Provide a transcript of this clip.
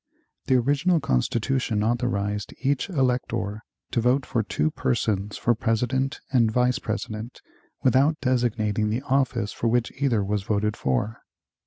The original Constitution authorized each elector to vote for two persons for President and Vice President, without designating the office for which either was voted for.